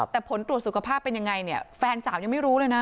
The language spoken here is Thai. แต่ผลตรวจสุขภาพเป็นยังไงเนี่ยแฟนสาวยังไม่รู้เลยนะ